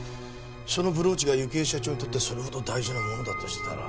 そのブローチが幸恵社長にとってそれほど大事なものだとしたら。